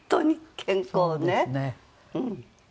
うん。